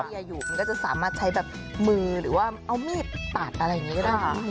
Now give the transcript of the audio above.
อยู่มันก็จะสามารถใช้แบบมือหรือว่าเอามีดตัดอะไรอย่างนี้ก็ได้ค่ะ